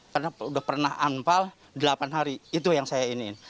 karena udah pernah anpal delapan hari itu yang saya ingin